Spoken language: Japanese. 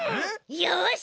よし！